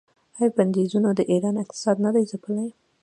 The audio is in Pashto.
آیا بندیزونو د ایران اقتصاد نه دی ځپلی؟